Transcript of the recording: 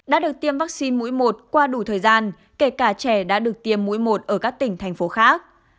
đã được tiêm vaccine mũi một qua đủ thời gian kể cả trẻ đã được tiêm mũi một ở các tỉnh thành phố khác